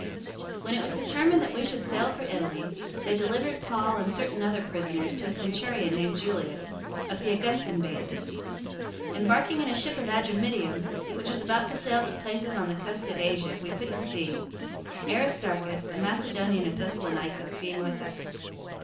027:001 When it was determined that we should sail for Italy, they delivered Paul and certain other prisoners to a centurion named Julius, of the Augustan band. 027:002 Embarking in a ship of Adramyttium, which was about to sail to places on the coast of Asia, we put to sea; Aristarchus, a Macedonian of Thessalonica, being with us.